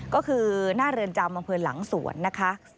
ก็คือหน้าเรือนจำอำเภอหลังสวนนะคะ